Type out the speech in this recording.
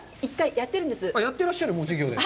やってらっしゃる、授業で。